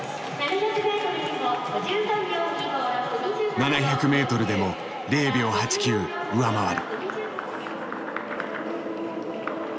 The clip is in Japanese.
７００ｍでも０秒８９上回る。